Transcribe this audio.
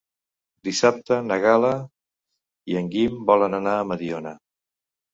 Dissabte na Gal·la i en Guim volen anar a Mediona.